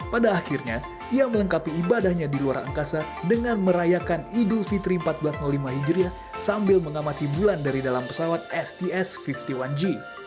pada akhirnya ia melengkapi ibadahnya di luar angkasa dengan merayakan idul fitri seribu empat ratus lima hijriah sambil mengamati bulan dari dalam pesawat sts lima puluh satu g